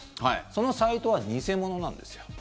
そのサイトは偽物なんですよ。